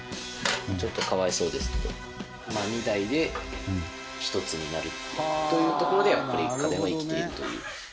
ちょっと可哀想ですけどまあ、２台で１つになるというところでやっぱり家電は生きているという。